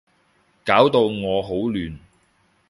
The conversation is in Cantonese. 搞到我好亂